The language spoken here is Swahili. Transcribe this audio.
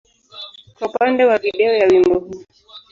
kwa upande wa video ya wimbo huu.